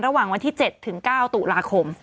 ระหว่างวันที่๗ถึง๙ตุลาคม